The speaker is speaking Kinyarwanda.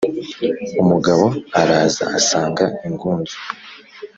umugabo araza asanga ingunzu